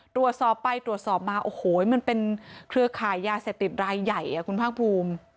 ตรวจสอบไปตรวจสอบมาโอ้โหมันเป็นเครือข่ายยาเสพติดรายใหญ่คุณภาคภูมิ